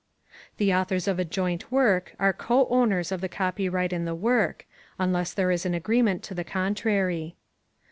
The authors of a joint work are co owners of the copyright in the work, unless there is an agreement to the contrary.